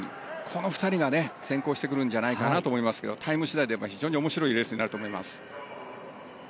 この２人が先行してくるんじゃないかなと思いますがタイム次第で面白いレースになると思います。